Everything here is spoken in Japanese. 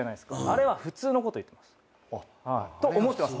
あれは普通のこと言ってます。と思ってます